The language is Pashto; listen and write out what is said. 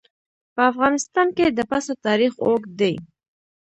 په افغانستان کې د پسه تاریخ اوږد دی.